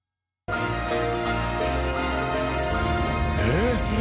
えっ？